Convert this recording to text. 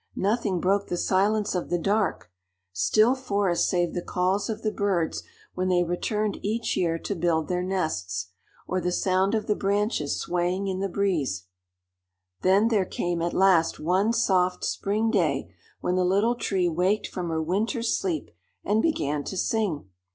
Nothing broke the silence of the dark, still forest save the calls of the birds when they returned each year to build their nests, or the sound of the branches swaying in the breeze. Then there came at last one soft spring day when the Little Tree waked from her winter's sleep and began to sing.